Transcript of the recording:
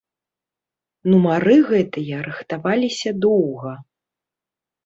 Нумары гэтыя рыхтаваліся доўга.